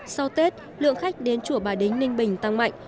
sau tết lượng khách đến chùa bà đính ninh bình tăng mạnh